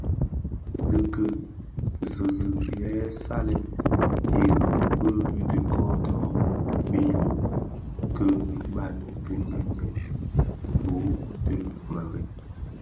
Dhi ki zizig yè salèn irig bi bë kodo bë ilom ki baňi kè nyèn nyèn (bighök dhi mereb).